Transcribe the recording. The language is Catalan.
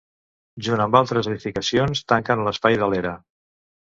Junt amb altres edificacions tanquen l'espai de l'era.